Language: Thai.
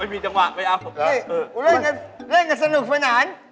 เฮ่ยเล่นกันเล่นกันสนุกมาหนาน